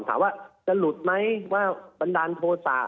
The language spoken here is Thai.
ถามว่าจะหลุดไหมว่าบันดาลโทษะ